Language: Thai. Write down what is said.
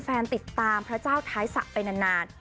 ติดตามพระเจ้าท้ายศักดิ์ไปนาน